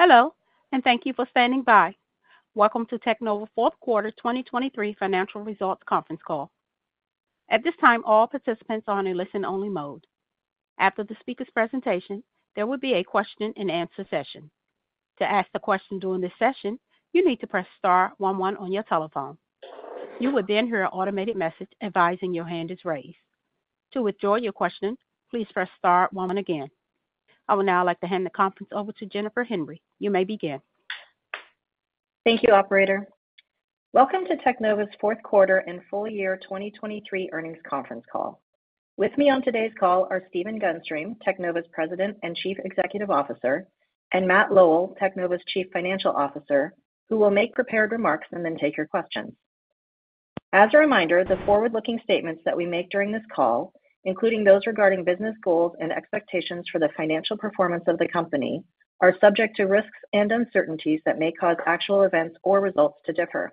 Hello, and thank you for standing by. Welcome to Teknova fourth quarter 2023 financial results conference call. At this time, all participants are in a listen-only mode. After the speaker's presentation, there will be a question and answer session. To ask a question during this session, you need to press star one one on your telephone. You will then hear an automated message advising your hand is raised. To withdraw your question, please press star one again. I would now like to hand the conference over to Jennifer Henry. You may begin. Thank you, operator. Welcome to Teknova's fourth quarter and full year 2023 earnings conference call. With me on today's call are Stephen Gunstream, Teknova's President and Chief Executive Officer, and Matt Lowell, Teknova's Chief Financial Officer, who will make prepared remarks and then take your questions. As a reminder, the forward-looking statements that we make during this call, including those regarding business goals and expectations for the financial performance of the company, are subject to risks and uncertainties that may cause actual events or results to differ.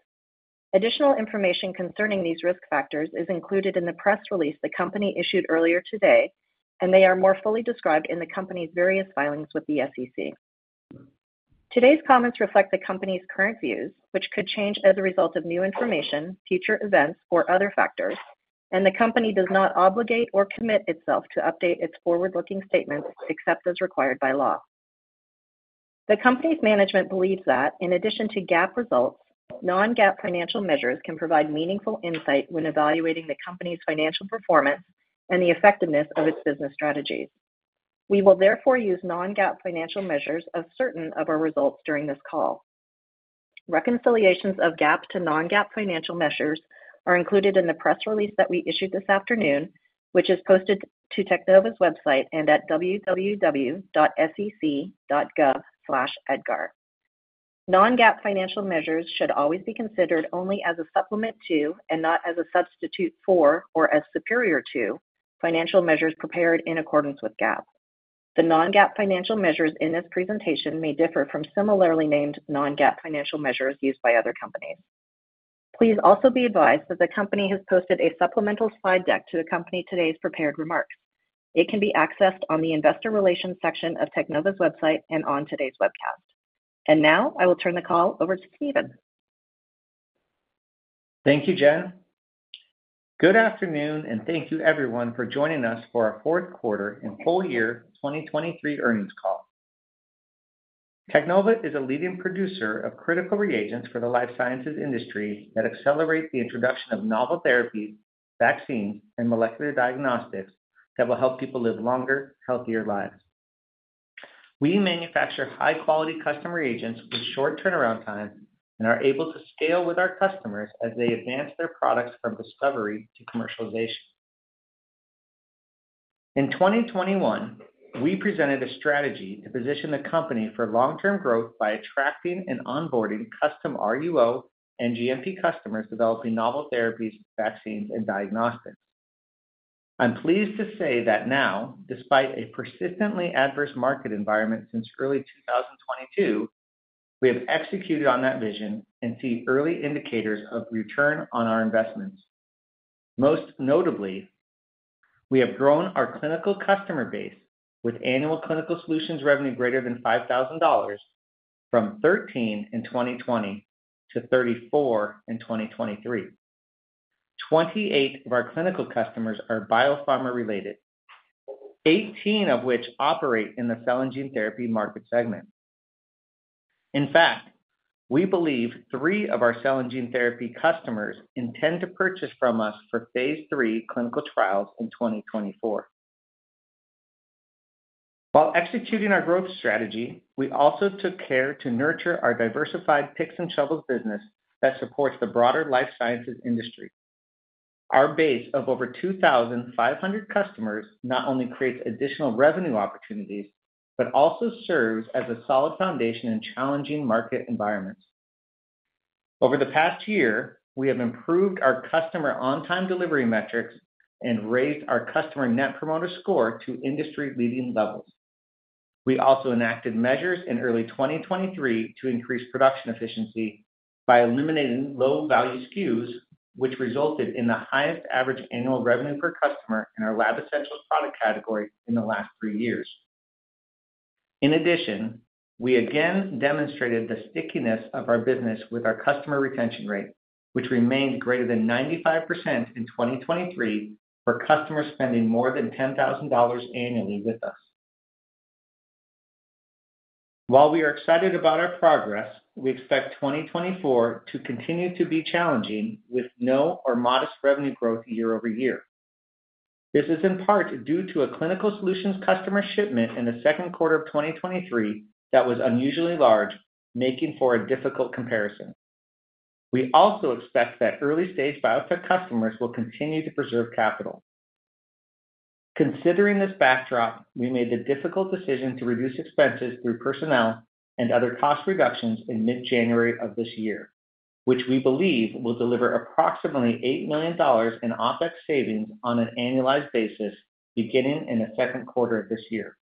Additional information concerning these risk factors is included in the press release the company issued earlier today, and they are more fully described in the company's various filings with the SEC. Today's comments reflect the company's current views, which could change as a result of new information, future events, or other factors, and the company does not obligate or commit itself to update its forward-looking statements except as required by law. The company's management believes that, in addition to GAAP results, non-GAAP financial measures can provide meaningful insight when evaluating the company's financial performance and the effectiveness of its business strategies. We will therefore use non-GAAP financial measures of certain of our results during this call. Reconciliations of GAAP to non-GAAP financial measures are included in the press release that we issued this afternoon, which is posted to Teknova's website and at www.sec.gov/edgar. Non-GAAP financial measures should always be considered only as a supplement to, and not as a substitute for or as superior to, financial measures prepared in accordance with GAAP. The non-GAAP financial measures in this presentation may differ from similarly named non-GAAP financial measures used by other companies. Please also be advised that the company has posted a supplemental slide deck to accompany today's prepared remarks. It can be accessed on the Investor Relations section of Teknova's website and on today's webcast. Now, I will turn the call over to Stephen. Thank you, Jen. Good afternoon, and thank you everyone for joining us for our fourth quarter and full year 2023 earnings call. Teknova is a leading producer of critical reagents for the life sciences industry that accelerate the introduction of novel therapies, vaccines, and molecular diagnostics that will help people live longer, healthier lives. We manufacture high-quality customer reagents with short turnaround times and are able to scale with our customers as they advance their products from discovery to commercialization. In 2021, we presented a strategy to position the company for long-term growth by attracting and onboarding custom RUO and GMP customers developing novel therapies, vaccines, and diagnostics. I'm pleased to say that now, despite a persistently adverse market environment since early 2022, we have executed on that vision and see early indicators of return on our investments. Most notably, we have grown our clinical customer base with annual Clinical Solutions revenue greater than $5,000 from 13 in 2020 to 34 in 2023. 28 of our clinical customers are biopharma-related, 18 of which operate in the cell and gene therapy market segment. In fact, we believe three of our cell and gene therapy customers intend to purchase from us for phase III clinical trials in 2024. While executing our growth strategy, we also took care to nurture our diversified picks and shovels business that supports the broader life sciences industry. Our base of over 2,500 customers not only creates additional revenue opportunities, but also serves as a solid foundation in challenging market environments. Over the past year, we have improved our customer on-time delivery metrics and raised our customer Net Promoter Score to industry-leading levels. We also enacted measures in early 2023 to increase production efficiency by eliminating low-value SKUs, which resulted in the highest average annual revenue per customer in our Lab Essentials product category in the last three years. In addition, we again demonstrated the stickiness of our business with our customer retention rate, which remained greater than 95% in 2023 for customers spending more than $10,000 annually with us. While we are excited about our progress, we expect 2024 to continue to be challenging, with no or modest revenue growth year-over-year. This is in part due to a Clinical Solutions customer shipment in the second quarter of 2023 that was unusually large, making for a difficult comparison. We also expect that early-stage biotech customers will continue to preserve capital. Considering this backdrop, we made the difficult decision to reduce expenses through personnel and other cost reductions in mid-January of this year, which we believe will deliver approximately $8 million in OpEx savings on an annualized basis beginning in the second quarter of this year.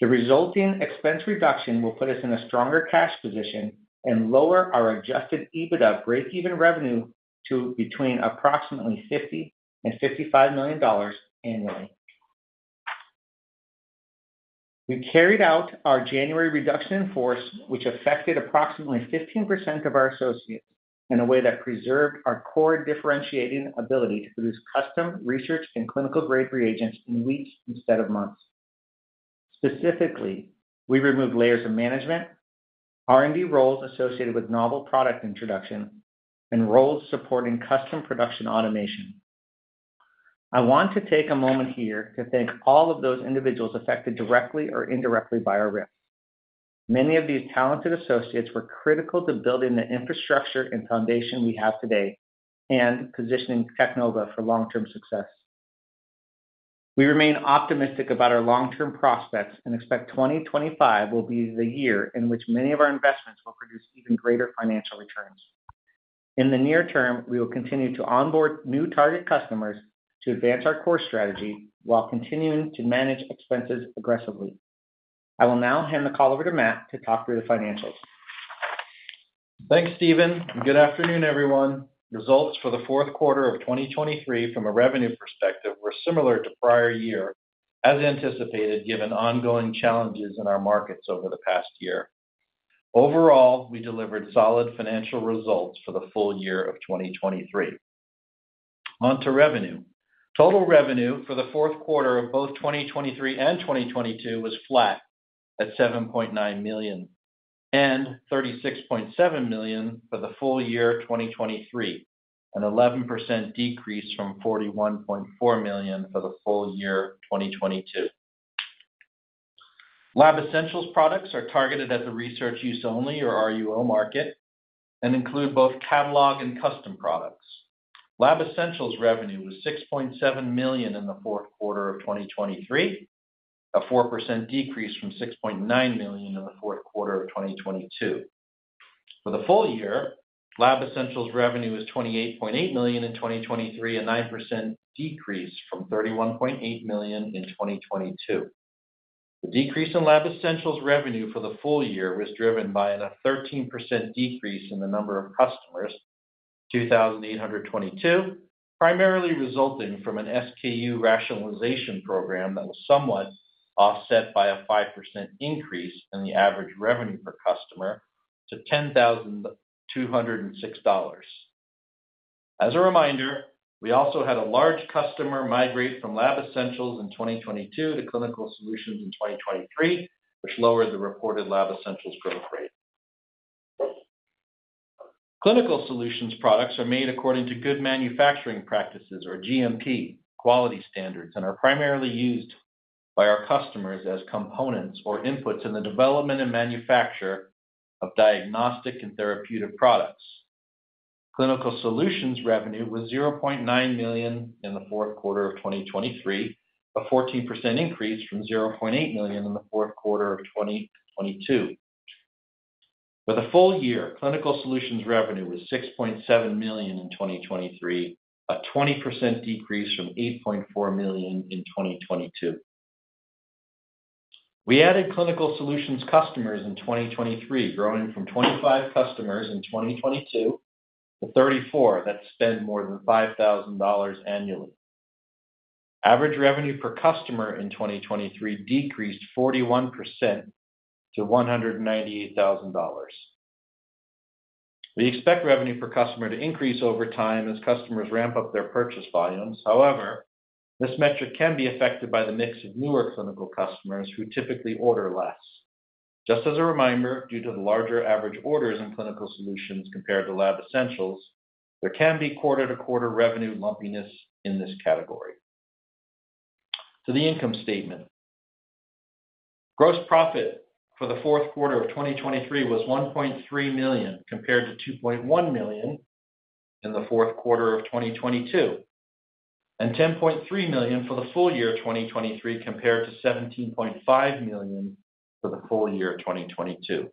The resulting expense reduction will put us in a stronger cash position and lower our adjusted EBITDA breakeven revenue to between approximately $50 million and $55 million annually. We carried out our January reduction in force, which affected approximately 15% of our associates in a way that preserved our core differentiating ability to produce custom research and clinical-grade reagents in weeks instead of months. Specifically, we removed layers of management, R&D roles associated with novel product introduction, and roles supporting custom production automation. I want to take a moment here to thank all of those individuals affected directly or indirectly by our RIF. Many of these talented associates were critical to building the infrastructure and foundation we have today and positioning Teknova for long-term success. We remain optimistic about our long-term prospects and expect 2025 will be the year in which many of our investments will produce even greater financial returns. In the near term, we will continue to onboard new target customers to advance our core strategy while continuing to manage expenses aggressively. I will now hand the call over to Matt to talk through the financials. Thanks, Stephen, and good afternoon, everyone. Results for the fourth quarter of 2023 from a revenue perspective, were similar to prior year, as anticipated, given ongoing challenges in our markets over the past year. Overall, we delivered solid financial results for the full year of 2023. On to revenue. Total revenue for the fourth quarter of both 2023 and 2022 was flat at $7.9 million and $36.7 million for the full year 2023, an 11% decrease from $41.4 million for the full year 2022. Lab Essentials products are targeted at the Research Use Only, or RUO market, and include both catalog and custom products. Lab Essentials revenue was $6.7 million in the fourth quarter of 2023, a 4% decrease from $6.9 million in the fourth quarter of 2022. For the full year, Lab Essentials revenue was $28.8 million in 2023, a 9% decrease from $31.8 million in 2022. The decrease in Lab Essentials revenue for the full year was driven by a 13% decrease in the number of customers, 2,822, primarily resulting from an SKU rationalization program that was somewhat offset by a 5% increase in the average revenue per customer to $10,206. As a reminder, we also had a large customer migrate from Lab Essentials in 2022 to Clinical Solutions in 2023, which lowered the reported Lab Essentials growth rate. Clinical Solutions products are made according to Good Manufacturing Practices or GMP quality standards, and are primarily used by our customers as components or inputs in the development and manufacture of diagnostic and therapeutic products. Clinical Solutions revenue was $0.9 million in the fourth quarter of 2023, a 14% increase from $0.8 million in the fourth quarter of 2022. For the full year, Clinical Solutions revenue was $6.7 million in 2023, a 20% decrease from $8.4 million in 2022. We added Clinical Solutions customers in 2023, growing from 25 customers in 2022 to 34 that spend more than $5,000 annually. Average revenue per customer in 2023 decreased 41% to $198,000. We expect revenue per customer to increase over time as customers ramp up their purchase volumes. However, this metric can be affected by the mix of newer clinical customers who typically order less. Just as a reminder, due to the larger average orders in Clinical Solutions compared to Lab Essentials, there can be quarter-to-quarter revenue lumpiness in this category. To the income statement. Gross profit for the fourth quarter of 2023 was $1.3 million, compared to $2.1 million in the fourth quarter of 2022, and $10.3 million for the full year of 2023, compared to $17.5 million for the full year of 2022.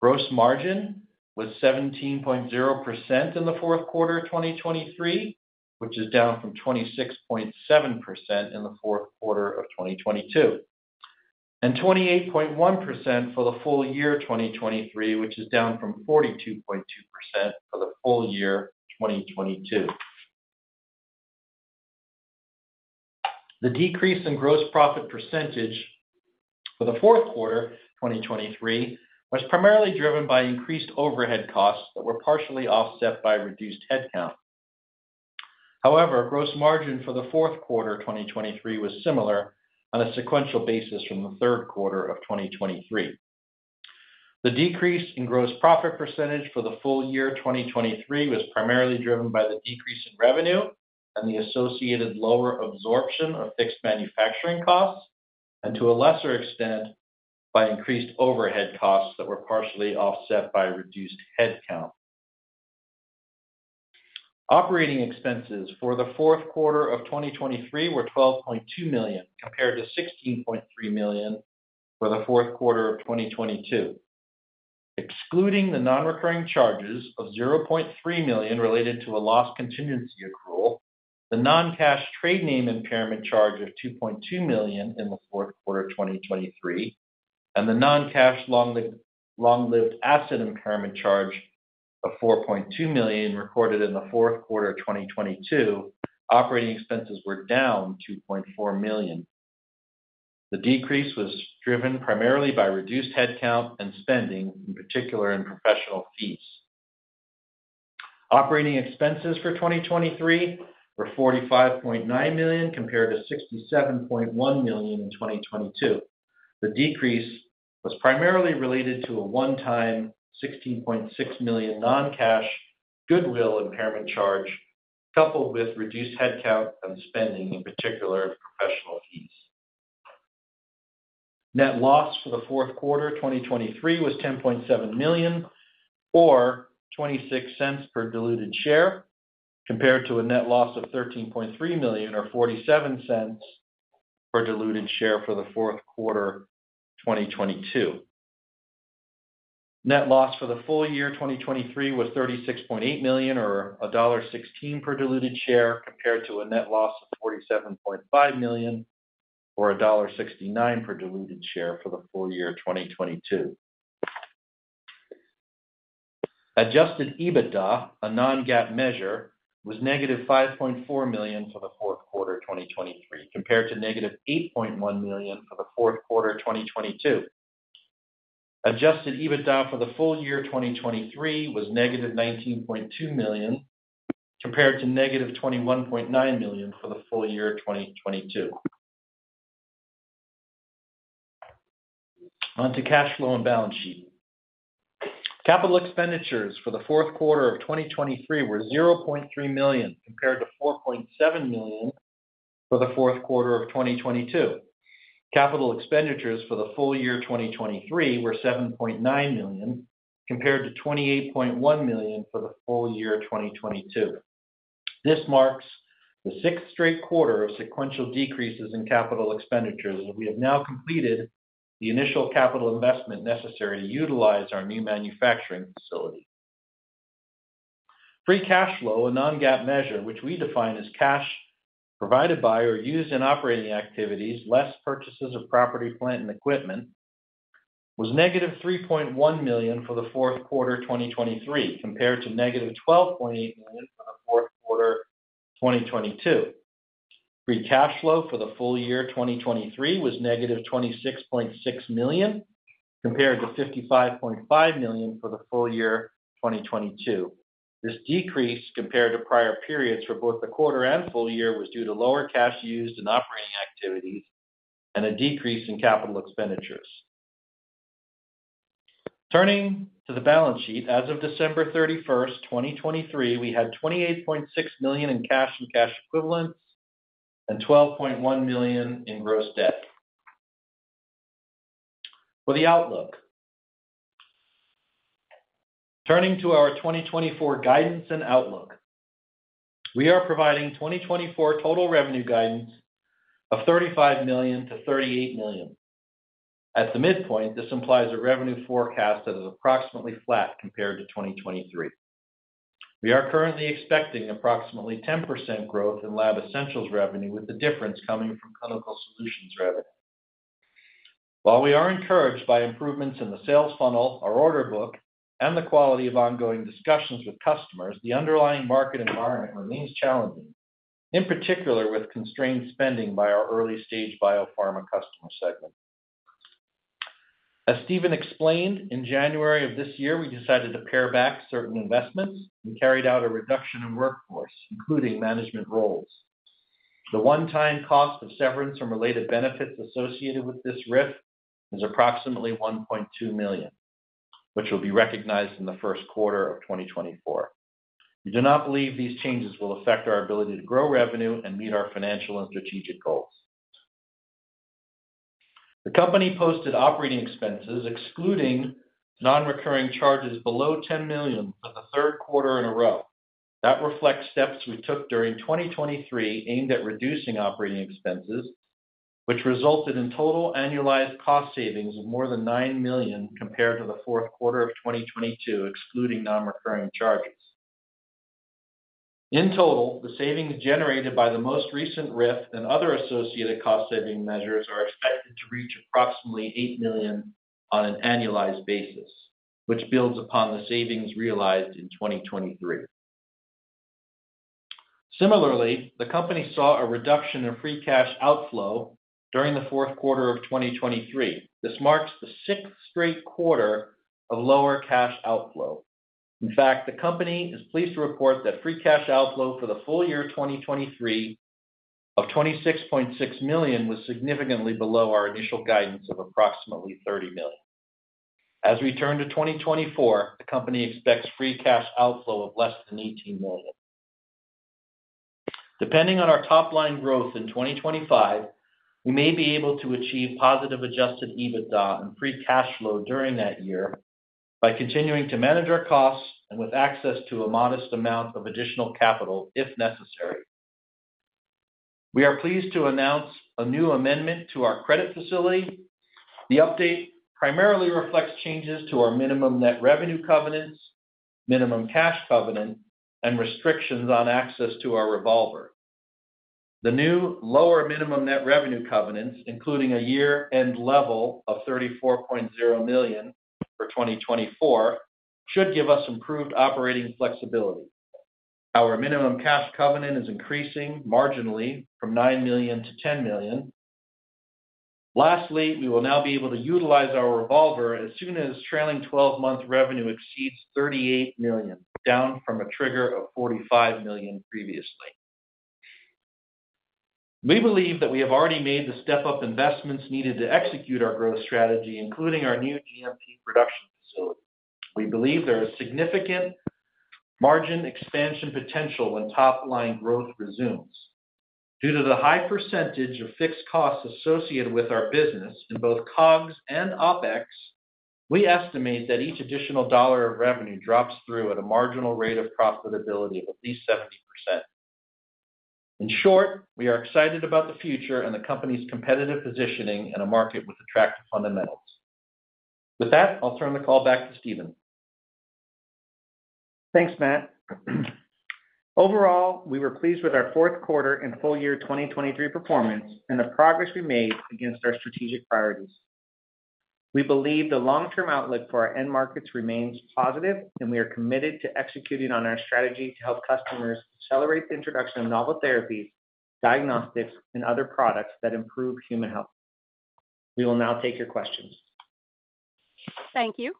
Gross margin was 17.0% in the fourth quarter of 2023, which is down from 26.7% in the fourth quarter of 2022, and 28.1% for the full year of 2023, which is down from 42.2% for the full year of 2022. The decrease in gross profit percentage for the fourth quarter of 2023 was primarily driven by increased overhead costs that were partially offset by reduced headcount. However, gross margin for the fourth quarter of 2023 was similar on a sequential basis from the third quarter of 2023. The decrease in gross profit percentage for the full year of 2023 was primarily driven by the decrease in revenue and the associated lower absorption of fixed manufacturing costs, and to a lesser extent, by increased overhead costs that were partially offset by reduced headcount. Operating expenses for the fourth quarter of 2023 were $12.2 million, compared to $16.3 million for the fourth quarter of 2022. Excluding the non-recurring charges of $0.3 million related to a loss contingency accrual, the non-cash trade name impairment charge of $2.2 million in the fourth quarter of 2023, and the non-cash long-lived asset impairment charge of $4.2 million recorded in the fourth quarter of 2022, operating expenses were down $2.4 million. The decrease was driven primarily by reduced headcount and spending, in particular in professional fees. Operating expenses for 2023 were $45.9 million, compared to $67.1 million in 2022. The decrease was primarily related to a one-time $16.6 million non-cash goodwill impairment charge, coupled with reduced headcount and spending, in particular, professional fees. Net loss for the fourth quarter 2023 was $10.7 million, or $0.26 per diluted share, compared to a net loss of $13.3 million, or $0.47 per diluted share for the fourth quarter 2022. Net loss for the full year 2023 was $36.8 million, or $1.16 per diluted share, compared to a net loss of $47.5 million, or $1.69 per diluted share for the full year 2022. Adjusted EBITDA, a non-GAAP measure, was -$5.4 million for the fourth quarter 2023, compared to -$8.1 million for the fourth quarter of 2022. Adjusted EBITDA for the full year 2023 was -$19.2 million, compared to -$21.9 million for the full year 2022. On to cash flow and balance sheet. Capital expenditures for the fourth quarter of 2023 were $0.3 million, compared to $4.7 million for the fourth quarter of 2022. Capital expenditures for the full year 2023 were $7.9 million, compared to $28.1 million for the full year 2022. This marks the sixth straight quarter of sequential decreases in capital expenditures, as we have now completed the initial capital investment necessary to utilize our new manufacturing facility. Free cash flow, a non-GAAP measure, which we define as cash provided by or used in operating activities, less purchases of property, plant, and equipment, was -$3.1 million for the fourth quarter 2023, compared to -$12.8 million for the fourth quarter 2022. Free cash flow for the full year 2023 was -$26.6 million, compared to $55.5 million for the full year 2022. This decrease compared to prior periods for both the quarter and full year was due to lower cash used in operating activities and a decrease in capital expenditures. Turning to the balance sheet. As of December 31, 2023, we had $28.6 million in cash and cash equivalents and $12.1 million in gross debt. For the outlook. Turning to our 2024 guidance and outlook, we are providing 2024 total revenue guidance of $35 million-$38 million. At the midpoint, this implies a revenue forecast that is approximately flat compared to 2023. We are currently expecting approximately 10% growth in Lab Essentials revenue, with the difference coming from Clinical Solutions revenue. While we are encouraged by improvements in the sales funnel, our order book, and the quality of ongoing discussions with customers, the underlying market environment remains challenging, in particular, with constrained spending by our early-stage biopharma customer segment. As Stephen explained, in January of this year, we decided to pare back certain investments and carried out a reduction in workforce, including management roles. The one-time cost of severance and related benefits associated with this RIF is approximately $1.2 million, which will be recognized in the first quarter of 2024. We do not believe these changes will affect our ability to grow revenue and meet our financial and strategic goals. The company posted operating expenses, excluding non-recurring charges, below $10 million for the third quarter in a row. That reflects steps we took during 2023, aimed at reducing operating expenses, which resulted in total annualized cost savings of more than $9 million compared to the fourth quarter of 2022, excluding non-recurring charges. In total, the savings generated by the most recent RIF and other associated cost-saving measures are expected to reach approximately $8 million on an annualized basis, which builds upon the savings realized in 2023. Similarly, the company saw a reduction in free cash outflow during the fourth quarter of 2023. This marks the sixth straight quarter of lower cash outflow. In fact, the company is pleased to report that free cash outflow for the full year, 2023, of $26.6 million, was significantly below our initial guidance of approximately $30 million. As we turn to 2024, the company expects free cash outflow of less than $18 million. Depending on our top-line growth in 2025, we may be able to achieve positive adjusted EBITDA and free cash flow during that year by continuing to manage our costs and with access to a modest amount of additional capital if necessary. We are pleased to announce a new amendment to our credit facility. The update primarily reflects changes to our minimum net revenue covenants, minimum cash covenant, and restrictions on access to our revolver. The new lower minimum net revenue covenants, including a year-end level of $34.0 million for 2024, should give us improved operating flexibility. Our minimum cash covenant is increasing marginally from $9 million to $10 million. Lastly, we will now be able to utilize our revolver as soon as trailing 12-month revenue exceeds $38 million, down from a trigger of $45 million previously. We believe that we have already made the step-up investments needed to execute our growth strategy, including our new GMP production facility. We believe there is significant margin expansion potential when top-line growth resumes. Due to the high percentage of fixed costs associated with our business in both COGS and OpEx, we estimate that each additional $1 of revenue drops through at a marginal rate of profitability of at least 70%. In short, we are excited about the future and the company's competitive positioning in a market with attractive fundamentals. With that, I'll turn the call back to Stephen. Thanks, Matt. Overall, we were pleased with our fourth quarter and full year 2023 performance and the progress we made against our strategic priorities. We believe the long-term outlook for our end markets remains positive, and we are committed to executing on our strategy to help customers accelerate the introduction of novel therapies, diagnostics, and other products that improve human health. We will now take your questions. Thank you.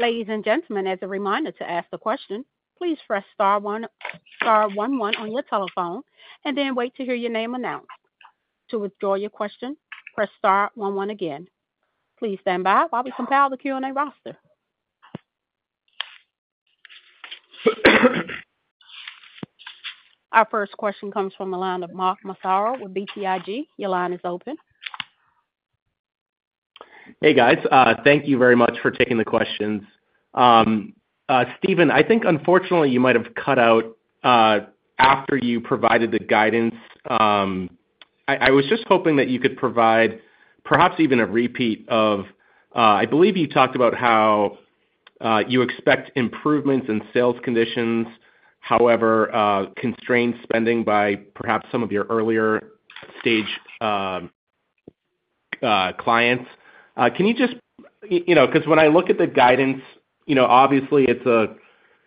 Ladies and gentlemen, as a reminder to ask the question, please press star one one on your telephone and then wait to hear your name announced. To withdraw your question, press star one one again. Please stand by while we compile the Q&A roster. Our first question comes from the line of Mark Massaro with BTIG. Your line is open. Hey, guys. Thank you very much for taking the questions. Stephen, I think unfortunately, you might have cut out after you provided the guidance. I was just hoping that you could provide perhaps even a repeat of, I believe you talked about how you expect improvements in sales conditions, however, constrained spending by perhaps some of your earlier stage clients. Can you just you know, because when I look at the guidance, you know, obviously it's a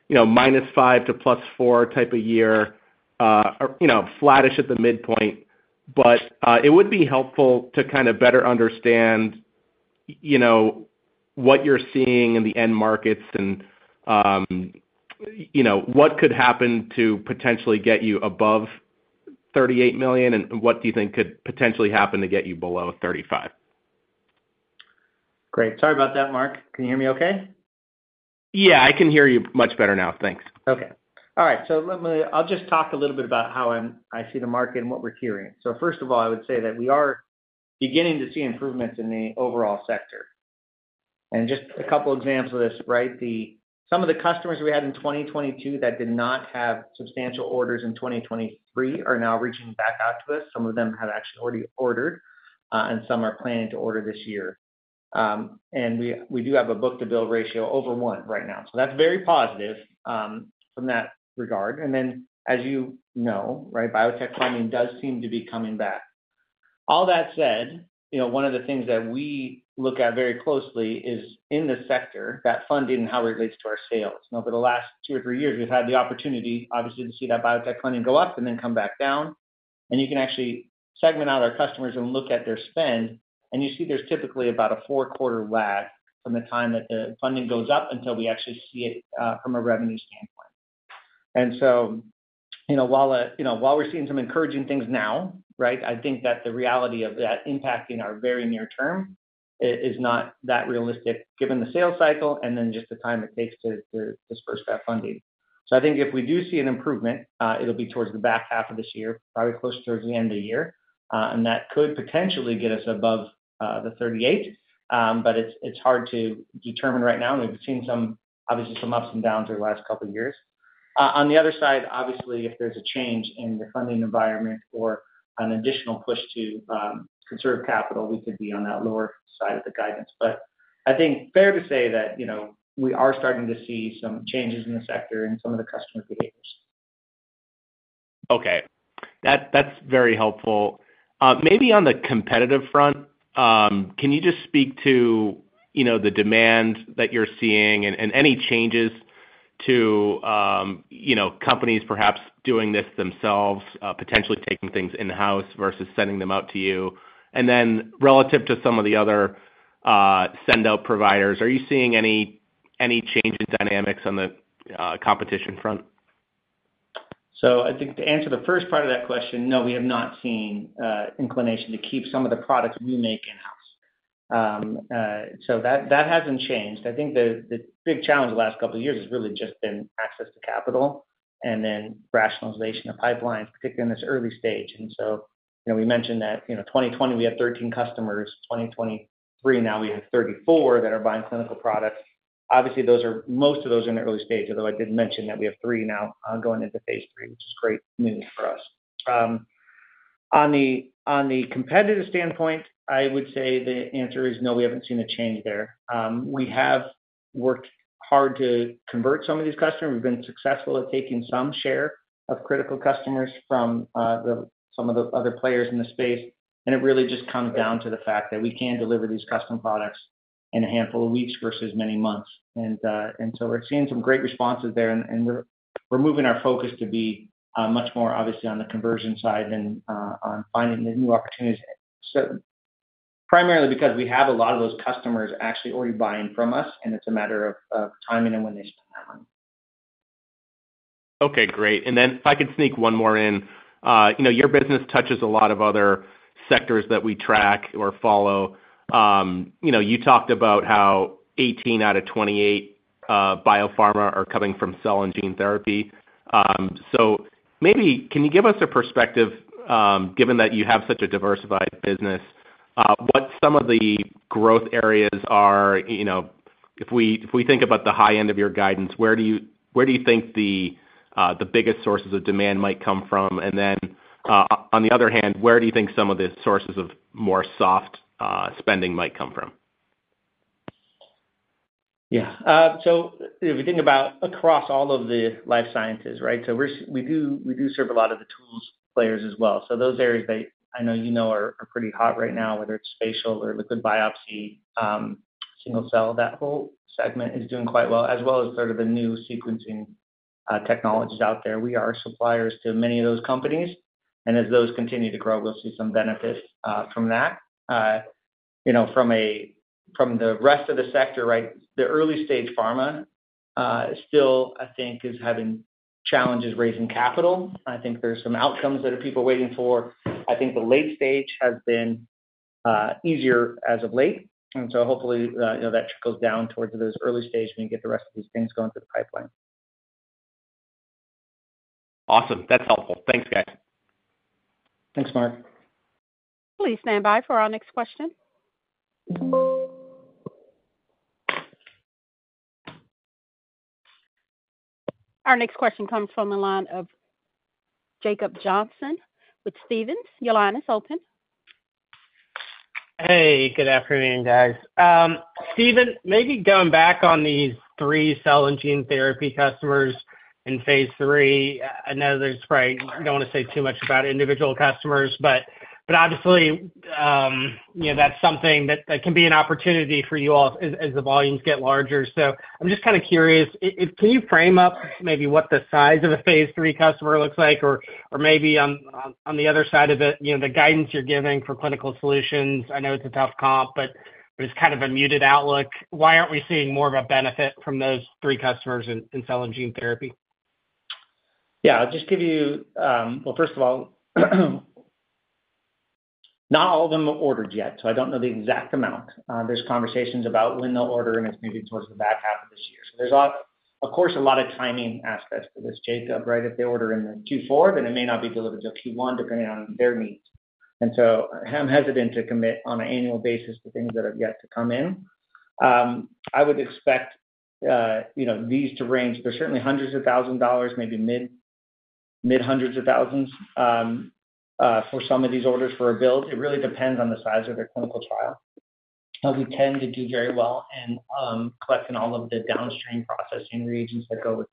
you know, -5 to +4 type of year, or you know, flattish at the midpoint. But, it would be helpful to kind of better understand, you know, what you're seeing in the end markets and, you know, what could happen to potentially get you above $38 million, and what do you think could potentially happen to get you below $35 million? Great. Sorry about that, Mark. Can you hear me okay? Yeah, I can hear you much better now. Thanks. Okay. All right. So let me. I'll just talk a little bit about how I see the market and what we're hearing. So first of all, I would say that we are beginning to see improvements in the overall sector. And just a couple examples of this, right? Some of the customers we had in 2022 that did not have substantial orders in 2023 are now reaching back out to us. Some of them have actually already ordered, and some are planning to order this year. And we do have a book-to-bill ratio over 1 right now, so that's very positive from that regard. And then, as you know, right, biotech funding does seem to be coming back. All that said, you know, one of the things that we look at very closely is in the sector, that funding and how it relates to our sales. And over the last two or three years, we've had the opportunity, obviously, to see that biotech funding go up and then come back down. And you can actually segment out our customers and look at their spend, and you see there's typically about a four-quarter lag from the time that the funding goes up until we actually see it from a revenue standpoint. And so, you know, while you know, while we're seeing some encouraging things now, right, I think that the reality of that impacting our very near term is not that realistic given the sales cycle and then just the time it takes to disperse that funding. So I think if we do see an improvement, it'll be towards the back half of this year, probably closer towards the end of the year, and that could potentially get us above the $38 million. But it's hard to determine right now, and we've seen some, obviously some ups and downs over the last couple of years. On the other side, obviously, if there's a change in the funding environment or an additional push to conserve capital, we could be on that lower side of the guidance. But I think fair to say that, you know, we are starting to see some changes in the sector and some of the customer behaviors. Okay. That, that's very helpful. Maybe on the competitive front, can you just speak to, you know, the demand that you're seeing and any changes to, you know, companies perhaps doing this themselves, potentially taking things in-house versus sending them out to you? And then relative to some of the other send-out providers, are you seeing any change in dynamics on the competition front? So I think to answer the first part of that question, no, we have not seen inclination to keep some of the products we make in-house. So that hasn't changed. I think the big challenge the last couple of years has really just been access to capital and then rationalization of pipelines, particularly in this early stage. And so, you know, we mentioned that, you know, 2020, we had 13 customers. 2023, now we have 34 that are buying clinical products. Obviously, those are—most of those are in the early stage, although I did mention that we have three now going into phase III, which is great news for us. On the competitive standpoint, I would say the answer is no, we haven't seen a change there. We have worked hard to convert some of these customers. We've been successful at taking some share of critical customers from some of the other players in the space, and it really just comes down to the fact that we can deliver these custom products in a handful of weeks versus many months. And so we're seeing some great responses there, and we're moving our focus to be much more obviously on the conversion side than on finding the new opportunities. So primarily because we have a lot of those customers actually already buying from us, and it's a matter of timing and when they spend that money. Okay, great. And then if I could sneak one more in. You know, your business touches a lot of other sectors that we track or follow. You know, you talked about how 18 out of 28 biopharma are coming from cell and gene therapy. So maybe can you give us a perspective, given that you have such a diversified business, what some of the growth areas are? You know, if we, if we think about the high end of your guidance, where do you, where do you think the biggest sources of demand might come from? And then, on the other hand, where do you think some of the sources of more soft spending might come from? Yeah. So if you think about across all of the life sciences, right? So we're we do serve a lot of the tools players as well. So those areas that I know you know are pretty hot right now, whether it's spatial or liquid biopsy, single cell, that whole segment is doing quite well, as well as sort of the new sequencing technologies out there. We are suppliers to many of those companies, and as those continue to grow, we'll see some benefits from that. You know, from the rest of the sector, right, the early stage pharma still, I think, is having challenges raising capital. I think there's some outcomes that people are waiting for. I think the late stage has been easier as of late, and so hopefully, you know, that trickles down towards those early stage. We can get the rest of these things going through the pipeline. Awesome. That's helpful. Thanks, guys. Thanks, Mark. Please stand by for our next question. Our next question comes from the line of Jacob Johnson with Stephens. Your line is open. Hey, good afternoon, guys. Stephen, maybe going back on these three cell and gene therapy customers in phase III, I know there's probably you don't want to say too much about individual customers, but obviously, you know, that's something that can be an opportunity for you all as the volumes get larger. So I'm just kind of curious, can you frame up maybe what the size of a phase III customer looks like? Or maybe on the other side of it, you know, the guidance you're giving for Clinical Solutions, I know it's a tough comp, but there's kind of a muted outlook. Why aren't we seeing more of a benefit from those three customers in cell and gene therapy? Yeah, I'll just give you. Well, first of all, not all of them are ordered yet, so I don't know the exact amount. There's conversations about when they'll order, and it's maybe towards the back half of this year. So there's, of course, a lot of timing aspects to this, Jacob, right? If they order in the Q4, then it may not be delivered to Q1, depending on their needs. And so I'm hesitant to commit on an annual basis to things that have yet to come in. I would expect, you know, these to range. They're certainly hundreds of thousands of dollars, maybe mid, mid hundreds of thousands, for some of these orders for a build. It really depends on the size of their clinical trial. We tend to do very well in collecting all of the downstream processing reagents that go with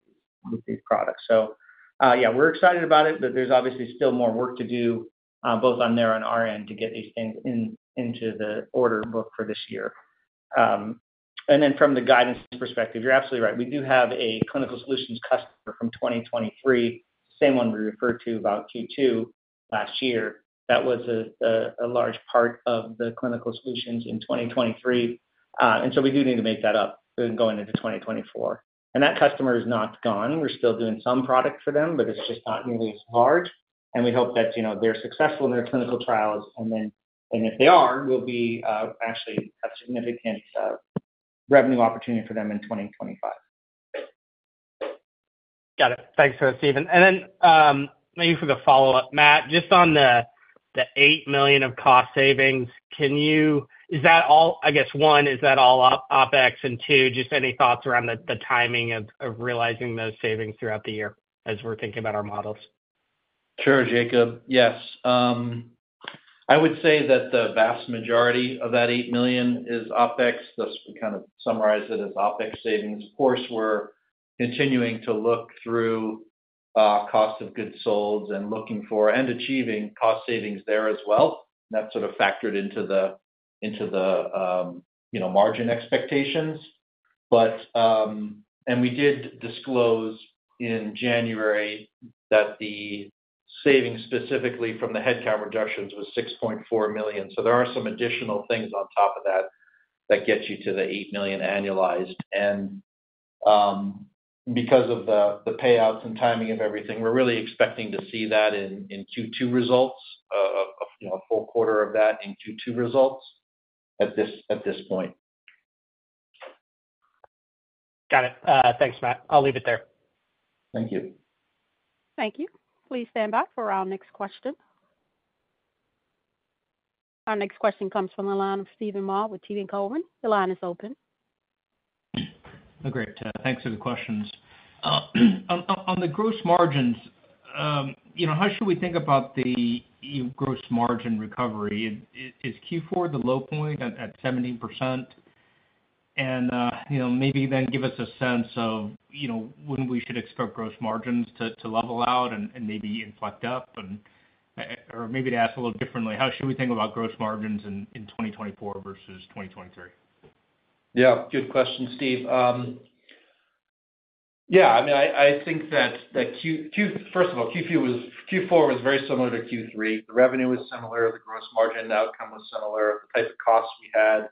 these products. So, yeah, we're excited about it, but there's obviously still more work to do, both on their and on our end, to get these things into the order book for this year. And then from the guidance perspective, you're absolutely right. We do have a Clinical Solutions customer from 2023, same one we referred to about Q2 last year. That was a large part of the Clinical Solutions in 2023. And so we do need to make that up going into 2024. And that customer is not gone. We're still doing some product for them, but it's just not nearly as large, and we hope that, you know, they're successful in their clinical trials. If they are, we'll be actually a significant revenue opportunity for them in 2025. Got it. Thanks for that, Stephen. And then, maybe for the follow-up, Matt, just on the $8 million of cost savings, can you—is that all, I guess, one, is that all OpEx? And two, just any thoughts around the timing of realizing those savings throughout the year as we're thinking about our models? Sure, Jacob. Yes, I would say that the vast majority of that $8 million is OpEx. Thus, we kind of summarize it as OpEx savings. Of course, we're continuing to look through cost of goods sold and looking for, and achieving cost savings there as well. That's sort of factored into the, into the you know, margin expectations. But, and we did disclose in January that the savings specifically from the headcount reductions was $6.4 million. So there are some additional things on top of that, that gets you to the $8 million annualized. And, because of the payouts and timing of everything, we're really expecting to see that in Q2 results, you know, a full quarter of that in Q2 results at this point. Got it. Thanks, Matt. I'll leave it there. Thank you. Thank you. Please stand by for our next question. Our next question comes from the line of Steven Mah with TD Cowen. The line is open. Great. Thanks for the questions. On the gross margins, you know, how should we think about the gross margin recovery? Is Q4 the low point at 17%? And you know, maybe then give us a sense of, you know, when we should expect gross margins to level out and maybe inflect up, or maybe to ask a little differently, how should we think about gross margins in 2024 versus 2023? Yeah, good question, Steve. Yeah, I mean, I think that first of all, Q4 was very similar to Q3. The revenue was similar, the gross margin outcome was similar, the type of costs we had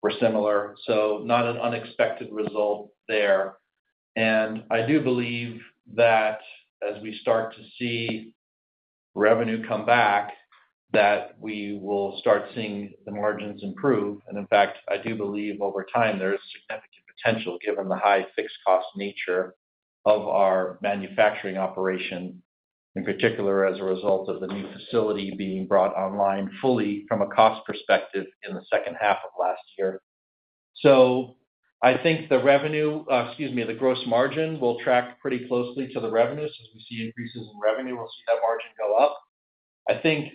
were similar, so not an unexpected result there. And I do believe that as we start to see revenue come back, that we will start seeing the margins improve. And in fact, I do believe over time there is significant potential, given the high fixed cost nature of our manufacturing operation, in particular, as a result of the new facility being brought online fully from a cost perspective in the second half of last year. So I think the revenue, excuse me, the gross margin will track pretty closely to the revenue. So as we see increases in revenue, we'll see that margin go up. I think,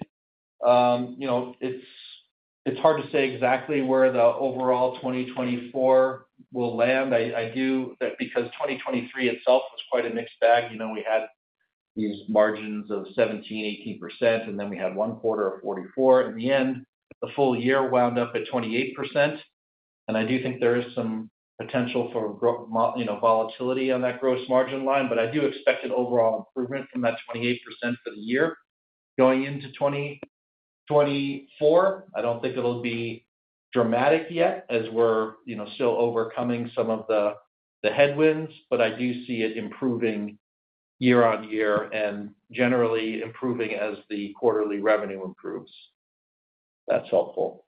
you know, it's hard to say exactly where the overall 2024 will land. I do that because 2023 itself was quite a mixed bag. You know, we had these margins of 17%, 18%, and then we had one quarter of 44%. In the end, the full year wound up at 28%, and I do think there is some potential for gross margin, you know, volatility on that gross margin line, but I do expect an overall improvement from that 28% for the year. Going into 2024, I don't think it'll be dramatic yet as we're, you know, still overcoming some of the headwinds, but I do see it improving year-on-year and generally improving as the quarterly revenue improves. If that's helpful.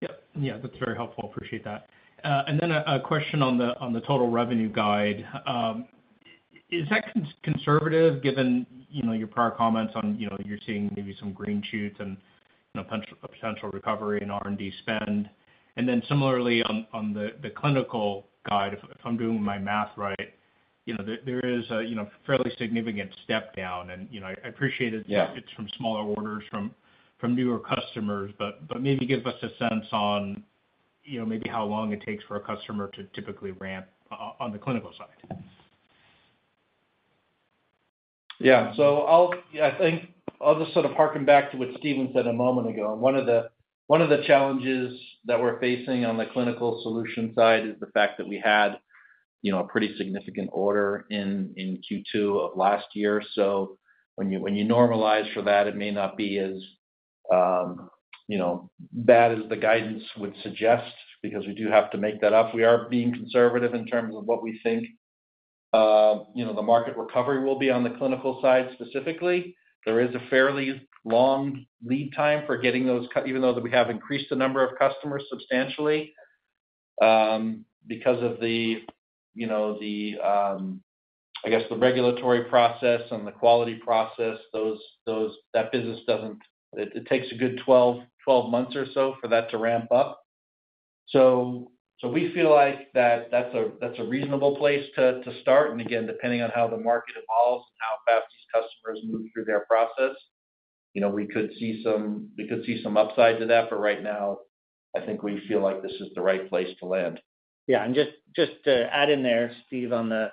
Yep. Yeah, that's very helpful. Appreciate that. And then a question on the total revenue guide. Is that conservative, given, you know, your prior comments on, you know, you're seeing maybe some green shoots and, you know, a potential recovery in R&D spend? And then similarly, on the clinical guide, if I'm doing my math right, you know, there is a, you know, fairly significant step down. And, you know, I appreciate it. Yeah. It's from smaller orders from newer customers, but maybe give us a sense on, you know, maybe how long it takes for a customer to typically ramp on the clinical side. Yeah. So I'll. Yeah, I think I'll just sort of harken back to what Stephen said a moment ago. One of the challenges that we're facing on the Clinical Solutions side is the fact that we had, you know, a pretty significant order in Q2 of last year. So when you normalize for that, it may not be as, you know, bad as the guidance would suggest, because we do have to make that up. We are being conservative in terms of what we think, you know, the market recovery will be on the clinical side specifically. There is a fairly long lead time for getting those customers even though we have increased the number of customers substantially, because of the, you know, the, I guess, the regulatory process and the quality process, those, that business doesn't. It takes a good 12, 12 months or so for that to ramp up. So we feel like that's a reasonable place to start. And again, depending on how the market evolves and how fast these customers move through their process, you know, we could see some upsides of that. But right now, I think we feel like this is the right place to land. Yeah, and just, just to add in there, Steve, on the,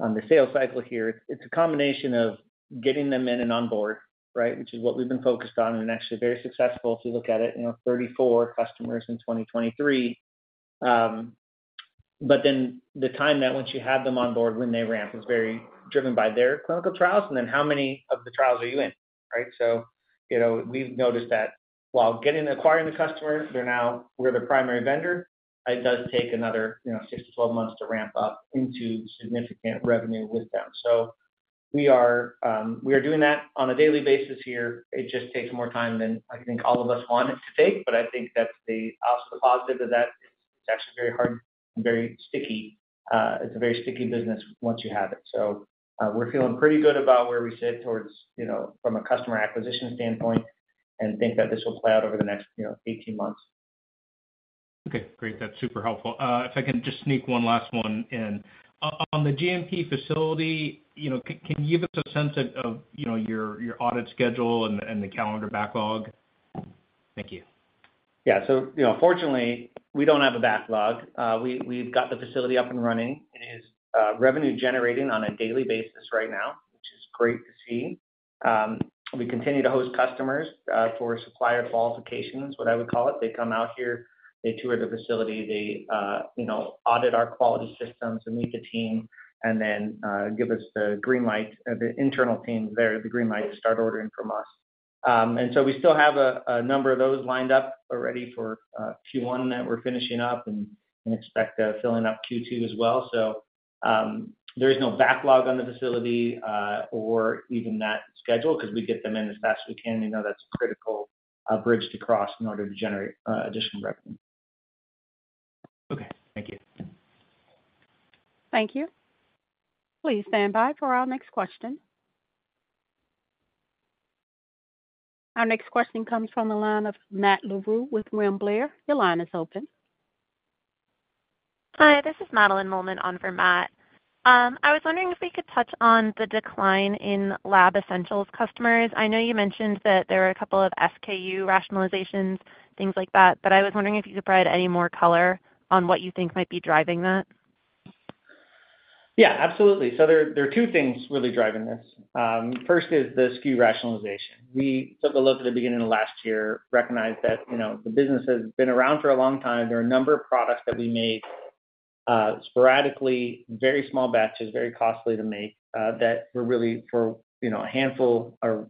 on the sales cycle here, it's a combination of getting them in and on board, right? Which is what we've been focused on and actually very successful, if you look at it, you know, 34 customers in 2023. But then the time that once you have them on board, when they ramp, is very driven by their clinical trials, and then how many of the trials are you in, right? So, you know, we've noticed that while getting acquiring the customers, they're now we're the primary vendor, it does take another, you know, six to 12 months to ramp up into significant revenue with them. So we are, we are doing that on a daily basis here. It just takes more time than I think all of us want it to take, but I think that's the, also the positive of that, it's actually very hard, very sticky. It's a very sticky business once you have it. So, we're feeling pretty good about where we sit towards, you know, from a customer acquisition standpoint, and think that this will play out over the next, you know, 18 months. Okay, great. That's super helpful. If I can just sneak one last one in. On the GMP facility, you know, can you give us a sense of, you know, your audit schedule and the calendar backlog? Thank you. Yeah. So, you know, fortunately, we don't have a backlog. We've got the facility up and running. It is revenue generating on a daily basis right now, which is great to see. We continue to host customers for supplier qualifications, what I would call it. They come out here, they tour the facility, they, you know, audit our quality systems and meet the team and then give us the green light, the internal team there, the green light to start ordering from us. And so we still have a number of those lined up already for Q1 that we're finishing up and expect filling up Q2 as well. So, there is no backlog on the facility or even that schedule, because we get them in as fast as we can. We know that's a critical bridge to cross in order to generate additional revenue. Okay. Thank you. Thank you. Please stand by for our next question. Our next question comes from the line of Matt Larew with William Blair. Your line is open. Hi, this is Madeline Mollman on for Matt. I was wondering if we could touch on the decline in Lab Essentials customers. I know you mentioned that there are a couple of SKU rationalizations, things like that, but I was wondering if you could provide any more color on what you think might be driving that? Yeah, absolutely. So there are two things really driving this. First is the SKU rationalization. We took a look at the beginning of last year, recognized that, you know, the business has been around for a long time. There are a number of products that we make sporadically, very small batches, very costly to make that were really for, you know, a handful of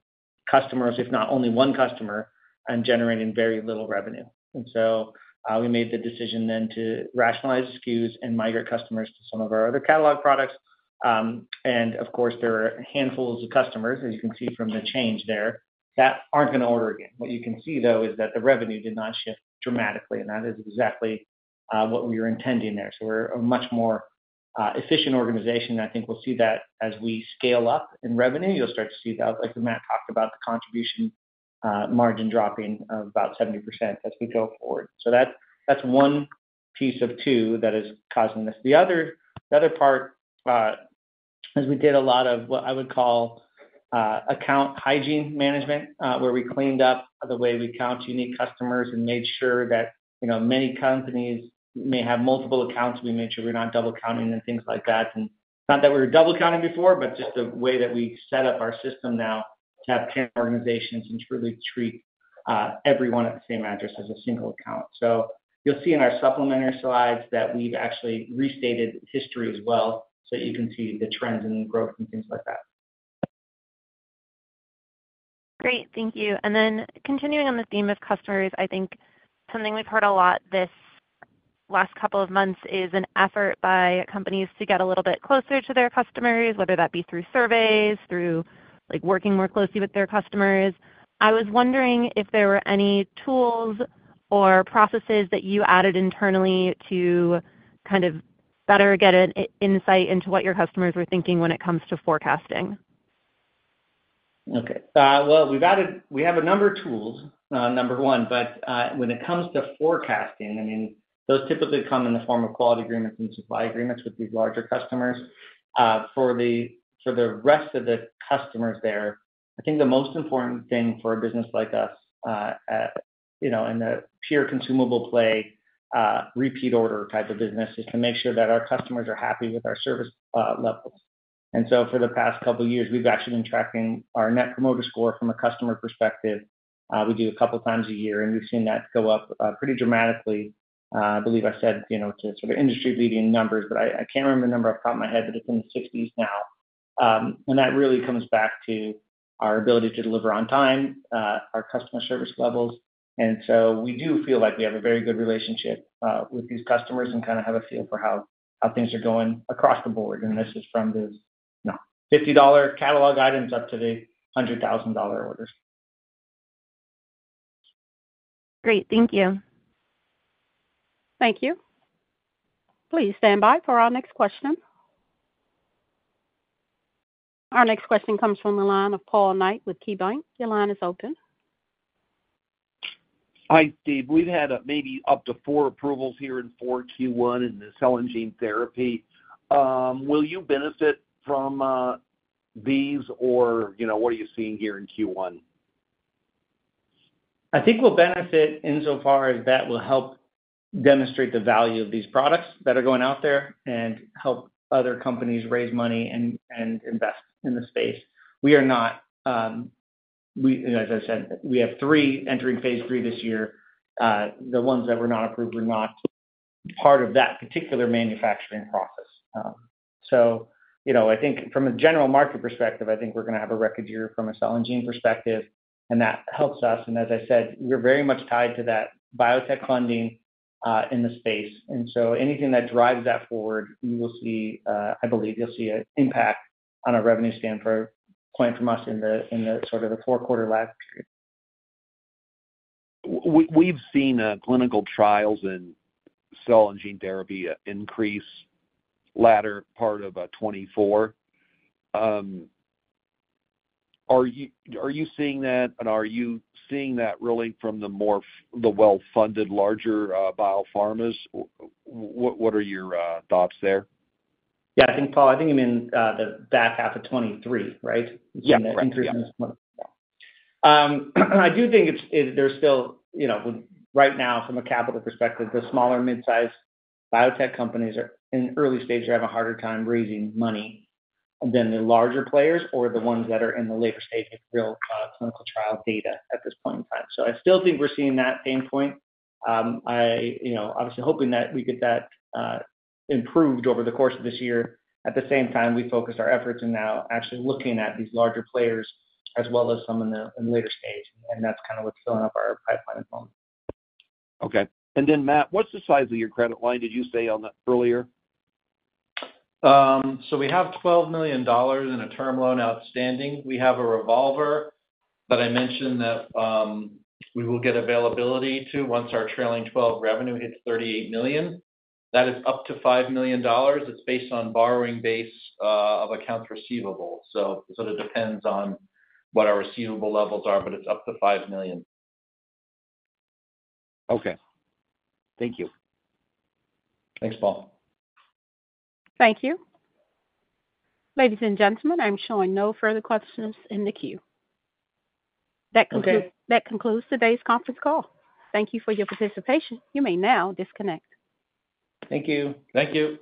customers, if not only one customer, and generating very little revenue. And so, we made the decision then to rationalize SKUs and migrate customers to some of our other catalog products. And of course, there are handfuls of customers, as you can see from the change there, that aren't going to order again. What you can see, though, is that the revenue did not shift dramatically, and that is exactly what we were intending there. So we're a much more efficient organization, and I think we'll see that as we scale up in revenue. You'll start to see that, like Matt talked about, the contribution margin dropping of about 70% as we go forward. So that's one piece of two that is causing this. The other part is we did a lot of what I would call account hygiene management, where we cleaned up the way we count unique customers and made sure that, you know, many companies may have multiple accounts. We made sure we're not double counting and things like that. And not that we were double counting before, but just the way that we set up our system now to have 10 organizations and truly treat everyone at the same address as a single account. So you'll see in our supplementary slides that we've actually restated history as well, so you can see the trends and growth and things like that. Great. Thank you. And then continuing on the theme of customers, I think something we've heard a lot this last couple of months is an effort by companies to get a little bit closer to their customers, whether that be through surveys, through, like, working more closely with their customers. I was wondering if there were any tools or processes that you added internally to kind of better get an insight into what your customers were thinking when it comes to forecasting. Okay. Well, we've added. We have a number of tools, number one, but, when it comes to forecasting, I mean, those typically come in the form of quality agreements and supply agreements with these larger customers. For the rest of the customers there, I think the most important thing for a business like us, you know, in a pure consumable play, repeat order type of business, is to make sure that our customers are happy with our service levels. And so for the past couple of years, we've actually been tracking our Net Promoter Score from a customer perspective. We do a couple of times a year, and we've seen that go up, pretty dramatically. I believe I said, you know, to sort of industry-leading numbers, but I can't remember the number off the top of my head, but it's in the 60s now. And that really comes back to our ability to deliver on time, our customer service levels. And so we do feel like we have a very good relationship with these customers and kind of have a feel for how things are going across the board. And this is from the, you know, $50 catalog items up to the $100,000 orders. Great. Thank you. Thank you. Please stand by for our next question. Our next question comes from the line of Paul Knight with KeyBanc. Your line is open. Hi, Steve. We've had maybe up to four approvals here in Q1 for the cell and gene therapy. Will you benefit from these or, you know, what are you seeing here in Q1? I think we'll benefit insofar as that will help demonstrate the value of these products that are going out there and help other companies raise money and, and invest in the space. We are not, as I said, we have three entering phase III this year. The ones that were not approved were not part of that particular manufacturing process. So you know, I think from a general market perspective, I think we're going to have a record year from a cell and gene perspective, and that helps us. And as I said, we're very much tied to that biotech funding in the space. And so anything that drives that forward, you will see, I believe you'll see an impact on a revenue standpoint from us in the, in the sort of the four-quarter lag period. We've seen clinical trials in cell and gene therapy increase in the latter part of 2024. Are you seeing that, and are you seeing that really from the more well-funded, larger biopharmas? What are your thoughts there? Yeah, I think, Paul, I think you mean the back half of 2023, right? Yeah. I do think it's, there's still, you know, right now, from a capital perspective, the smaller mid-sized biotech companies are in early stages, are having a harder time raising money than the larger players or the ones that are in the later stage with real, clinical trial data at this point in time. So I still think we're seeing that same point. I, you know, obviously hoping that we get that, improved over the course of this year. At the same time, we focus our efforts and now actually looking at these larger players as well as some in the later stage, and that's kind of what's filling up our pipeline as well. Okay. And then, Matt, what's the size of your credit line? Did you say on that earlier? So we have $12 million in a term loan outstanding. We have a revolver, but I mentioned that, we will get availability, too, once our trailing 12 revenue hits $38 million. That is up to $5 million. It's based on borrowing base, of accounts receivable. So it sort of depends on what our receivable levels are, but it's up to $5 million. Okay. Thank you. Thanks, Paul. Thank you. Ladies and gentlemen, I'm showing no further questions in the queue. Okay. That concludes today's conference call. Thank you for your participation. You may now disconnect. Thank you. Thank you.